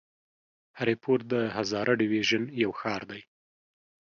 هري پور د هزاره ډويژن يو ښار دی.